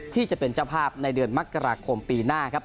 จะเป็นเจ้าภาพในเดือนมกราคมปีหน้าครับ